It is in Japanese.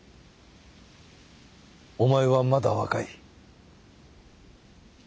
お前はまだ若い。